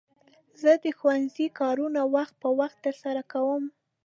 زه د ښوونځي کارونه وخت په وخت ترسره کوم.